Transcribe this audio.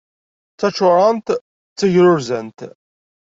D taččurant d tagrurzant.